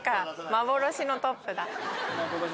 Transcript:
幻のトップ。